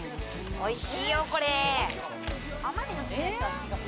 おいしいよこれ。